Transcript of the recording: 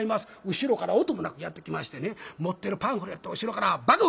後ろから音もなくやって来ましてね持ってるパンフレットを後ろからバク！